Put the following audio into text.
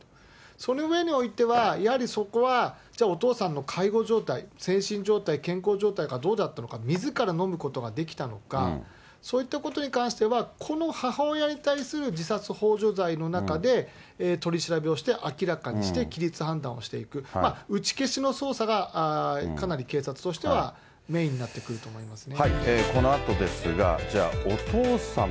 その上においては、やはりそこは、じゃあ、お父さんの介護状態、精神状態、健康状態がどうだったのか、みずから飲むことができたのか、そういったことに関しては、この母親に対する自殺ほう助罪の中で、取り調べをして、明らかにして、擬律判断をしていく、打ち消しの捜査が、これ、自殺ほう助っていうのは、本人の自殺行為を援助する。